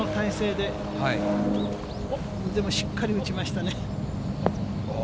でもしっかり打ちましたね。